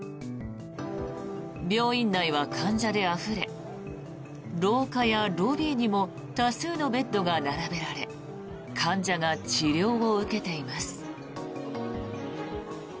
病院内は患者であふれ廊下やロビーにも多数のベッドが並べられ患者が治療を受けています。